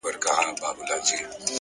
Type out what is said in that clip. علم د بریا بنسټیز شرط دی’